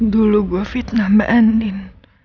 dulu gue fitnah mbak andin